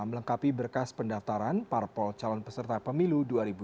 melengkapi berkas pendaftaran parpol calon peserta pemilu dua ribu dua puluh